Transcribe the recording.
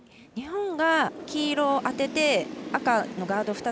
日本が黄色を当てて赤のガード